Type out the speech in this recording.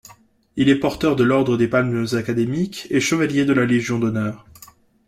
Il est porteur de l'Ordre des Palmes académiques et chevalier de la Légion d'honneur.